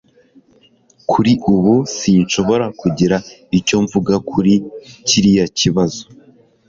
Kuri ubu, sinshobora kugira icyo mvuga kuri kiriya kibazo.